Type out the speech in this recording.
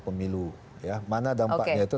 pemilu mana dampaknya itu